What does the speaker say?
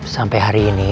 sampai hari ini